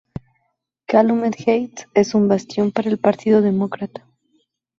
Calumet Heights es un bastión para el Partido Demócrata.